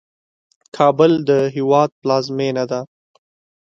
کابل د هیواد پلازمېنه ده.